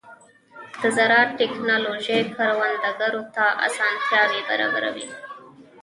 د زراعت ټیکنالوژي کروندګرو ته اسانتیاوې برابروي.